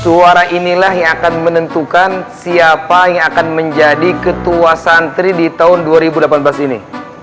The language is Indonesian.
suara inilah yang akan menentukan siapa yang akan menjadi ketua santri di tahun dua ribu delapan belas ini